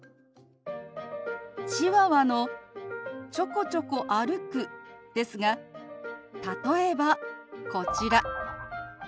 チワワの「ちょこちょこ歩く」ですが例えばこちら。